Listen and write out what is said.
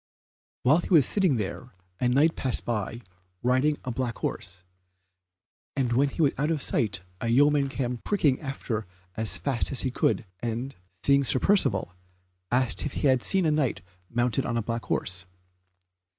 While he was sitting there a Knight passed by riding a black horse, and when he was out of sight a yeoman came pricking after as fast as he could, and, seeing Sir Percivale, asked if he had seen a Knight mounted on a black horse.